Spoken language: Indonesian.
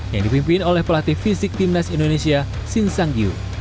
yang dipimpin oleh pelatih fisik timnas indonesia shin sang giu